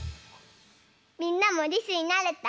みんなもりすになれた？